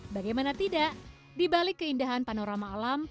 bagaimana tidak dibalik keindahan panorama alam